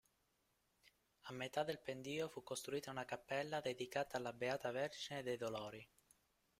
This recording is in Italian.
A metà del pendio fu costruita una cappella dedicata alla Beata Vergine dei dolori.